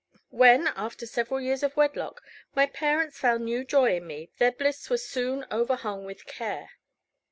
When, after several years of wedlock, my parents found new joy in me, their bliss was soon overhung with care.